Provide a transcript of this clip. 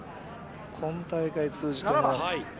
今大会通じて。